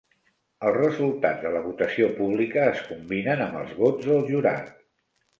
Els resultats de la votació pública es combinen amb els vots del jurat.